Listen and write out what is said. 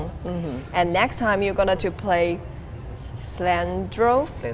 dan lain kali kamu akan mempelajari slendro